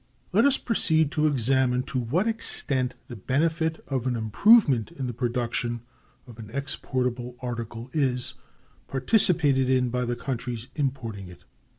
Let us proceed to [examine] to what extent the benefit of an improvement in the production of an exportable article is participated in by the countries importing it.